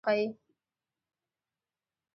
موبایل کې ساعت ښيي، تاریخ ښيي، او تودوخه ښيي.